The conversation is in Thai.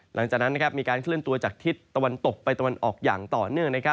หลังจากนั้นมีการเคลื่อนตัวจากทิศตะวันตกไปตะวันออกอย่างต่อเนื่อง